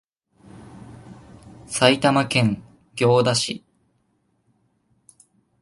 埼玉県行田市